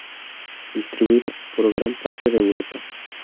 Distribuida por gran parte de Europa.